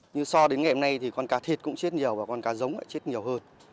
như so đến ngày hôm nay thì con cá thịt cũng chết nhiều và con cá giống cũng chết nhiều hơn